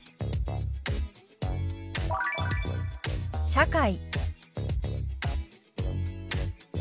「社会」。